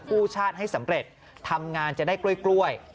กู้ชาติให้สำเร็จทำงานจะได้กล้วย